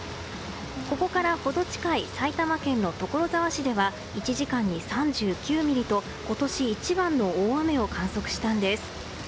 ここから程近い埼玉県の所沢市では１時間に３９ミリと今年一番の大雨を観測したんです。